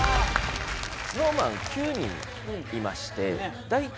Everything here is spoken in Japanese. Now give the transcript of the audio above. ＳｎｏｗＭａｎ９人いまして大体。